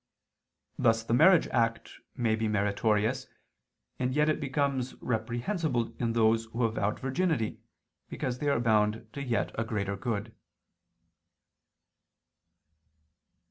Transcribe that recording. Thus the marriage act may be meritorious; and yet it becomes reprehensible in those who have vowed virginity, because they are bound to a yet greater good.